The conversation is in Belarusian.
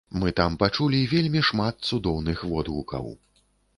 Мы там пачулі вельмі шмат цудоўных водгукаў!